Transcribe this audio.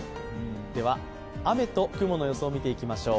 では雨と雲の予想、見ていきましょう。